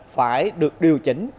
phải được điều chỉnh